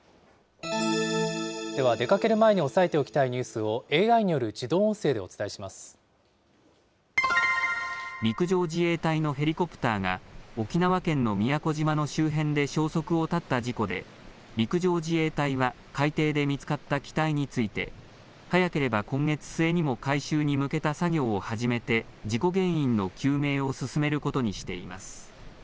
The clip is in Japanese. では、出かける前に押さえておきたいニュースをＡＩによる自陸上自衛隊のヘリコプターが、沖縄県の宮古島の周辺で消息を絶った事故で、陸上自衛隊は海底で見つかった機体について、早ければ今月末にも回収に向けた作業を始めて、事故原因の究明を進めることにしています。